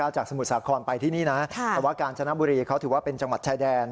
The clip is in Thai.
สมุทรสาครไปที่นี่นะแต่ว่ากาญจนบุรีเขาถือว่าเป็นจังหวัดชายแดน